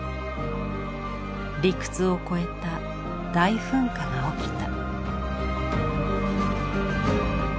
理屈を超えた大噴火が起きた。